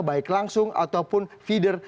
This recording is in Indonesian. baik langsung ataupun feeder